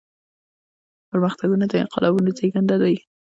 پرمختګونه د انقلابونو زيږنده دي.